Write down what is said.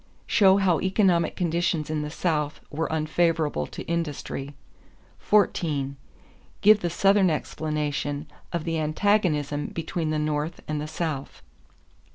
Show how economic conditions in the South were unfavorable to industry. 14. Give the Southern explanation of the antagonism between the North and the South.